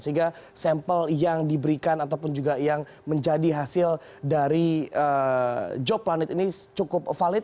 sehingga sampel yang diberikan ataupun juga yang menjadi hasil dari job planet ini cukup valid